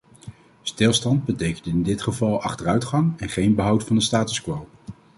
Stilstand betekent in dit geval achteruitgang en geen behoud van de status quo.